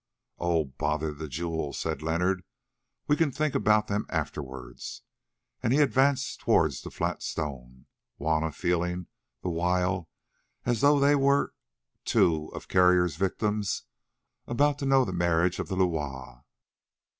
"Oh! bother the jewels!" said Leonard. "We can think about them afterwards." And he advanced towards the flat stone, Juanna feeling the while as though they were two of Carrier's victims about to know the Marriage of the Loire.